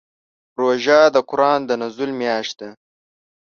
روژه د قران د نزول میاشت ده.